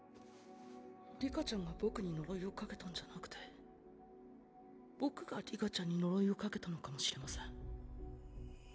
里香ちゃんが僕に呪いをかけたんじゃなくて僕が里香ちゃんに呪いをかけたのかもしれません。